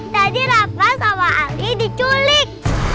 tadi rafa sama ali diculik